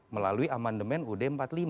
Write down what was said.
melalui amandemen ud empat puluh lima